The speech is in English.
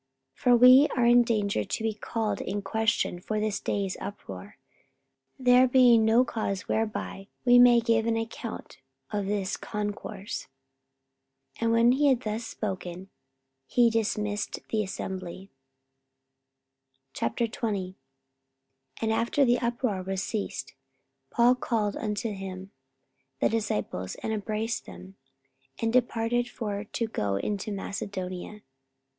44:019:040 For we are in danger to be called in question for this day's uproar, there being no cause whereby we may give an account of this concourse. 44:019:041 And when he had thus spoken, he dismissed the assembly. 44:020:001 And after the uproar was ceased, Paul called unto him the disciples, and embraced them, and departed for to go into Macedonia.